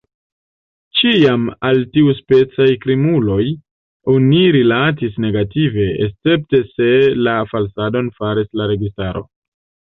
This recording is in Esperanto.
Ĉiam al tiuspecaj krimuloj oni rilatis negative, escepte se la falsadon faris registaro.